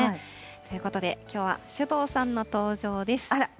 ということで、きょうは首藤さんの登場です。